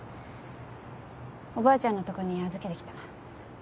おばあちゃんのとこに預けてきた。